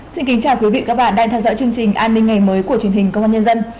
xin kính chào quý vị và các bạn đang theo dõi chương trình an ninh ngày mới của truyền hình công an nhân dân